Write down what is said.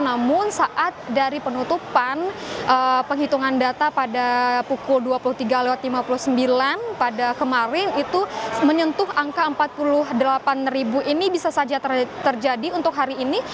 namun saat dari penutupan penghitungan data pada pukul dua puluh tiga lima puluh sembilan pada kemarin itu menyentuh angka empat puluh delapan ribu ini bisa saja terjadi untuk hari ini